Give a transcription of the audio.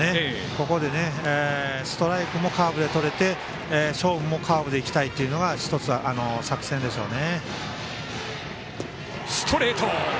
ここでストライクもカーブでとれて勝負もカーブでいきたいというのが１つ作戦でしょうね。